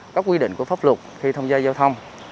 các quy định của pháp luật khi tham gia giao thông